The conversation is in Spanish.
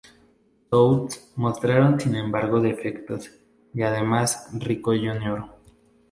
South mostraron sin embargo defectos y además Rico Jr.